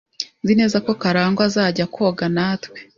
Nzi neza ko Karangwa azajya koga natwe.